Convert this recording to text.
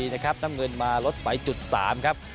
น้ำเงินมาลดไฟจุด๓ครับ